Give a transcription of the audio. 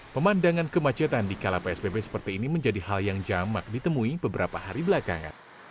pemandangan kemacetan di kala psbb seperti ini menjadi hal yang jamak ditemui beberapa hari belakangan